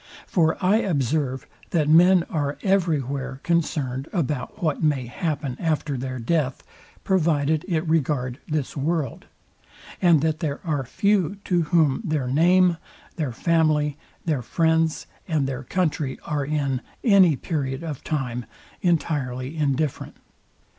For I observe, that men are everywhere concerned about what may happen after their death, provided it regard this world; and that there are few to whom their name, their family, their friends, and their country are in any period of time entirely indifferent.